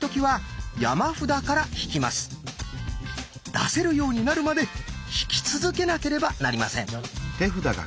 出せるようになるまで引き続けなければなりません。